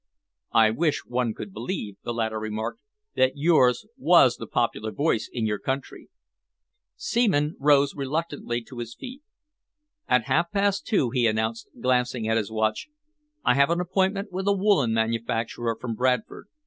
"I wish one could believe," the latter remarked, "that yours was the popular voice in your country." Seaman rose reluctantly to his feet. "At half past two," he announced, glancing at his watch, "I have an appointment with a woollen manufacturer from Bradford.